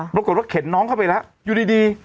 ปรากฏว่าเข็นน้องเข้าไปแล้วอยู่ดี